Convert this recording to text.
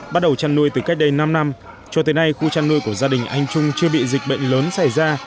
bắt đầu chăn nuôi từ cách đây năm năm cho tới nay khu chăn nuôi của gia đình anh trung chưa bị dịch bệnh lớn xảy ra